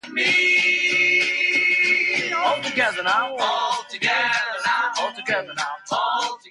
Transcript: The original music score was composed by Stanley Myers.